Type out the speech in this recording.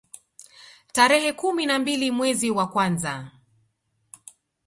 Tarehe kumi na mbili mwezi wa kwanza